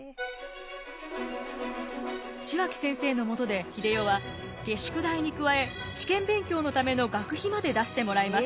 血脇先生のもとで英世は下宿代に加え試験勉強のための学費まで出してもらいます。